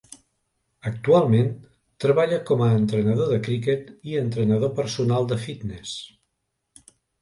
Actualment treballa com a entrenador de criquet i entrenador personal de fitness.